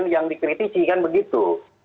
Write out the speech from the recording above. yang dikritisi kan begitu